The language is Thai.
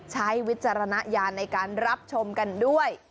วิจารณญาณในการรับชมกันด้วย